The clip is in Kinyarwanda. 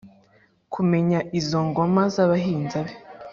kumenya izo ngoma z’abahinza be